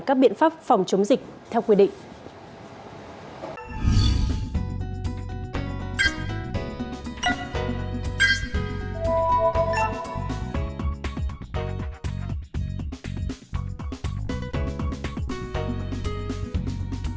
các biện pháp phòng chống dịch theo quy định